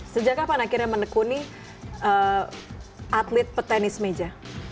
sejak kapan akhirnya menekuni atlet petenis meja